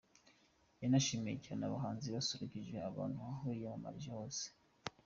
Yanashimiye cyane abahanzi basusurukije abantu aho yiyamamarije hose.